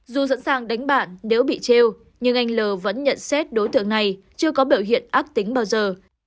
dù dẫn sang đánh bạn nếu bị treo nhưng anh l vẫn nhận xét đối tượng này chưa có biểu hiện ác tính bao giờ